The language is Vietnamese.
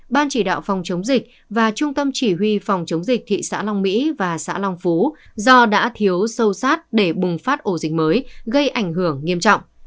ban chỉ đạo phòng chống dịch và trung tâm chỉ huy phòng chống dịch thị xã long mỹ và xã long phú do đã thiếu sâu sát để bùng phát ổ dịch mới gây ảnh hưởng nghiêm trọng